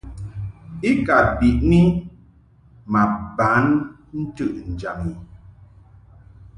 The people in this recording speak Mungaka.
I ka biʼni ma ban ntɨʼnjam i.